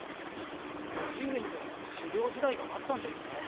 叔父上にも修業時代があったんですね。